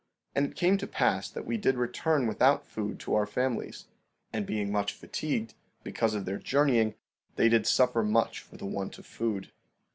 16:19 And it came to pass that we did return without food to our families, and being much fatigued, because of their journeying, they did suffer much for the want of food.